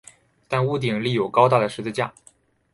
但屋顶立有高大的十字架。